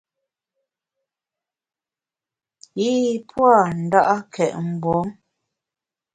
Yi pua’ nda’két mgbom.